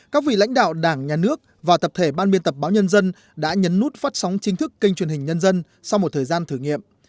các vị lãnh đạo đảng nhà nước và tập thể ban biên tập báo nhân dân đã nhấn nút phát sóng chính thức kênh truyền hình nhân dân sau một thời gian thử nghiệm